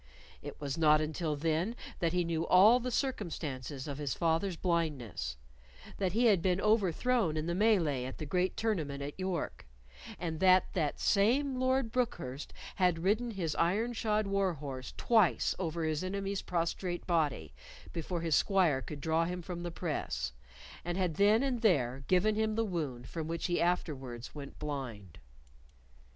It was not until then that he knew all the circumstances of his father's blindness; that he had been overthrown in the melee at the great tournament at York, and that that same Lord Brookhurst had ridden his iron shod war horse twice over his enemy's prostrate body before his squire could draw him from the press, and had then and there given him the wound from which he afterwards went blind.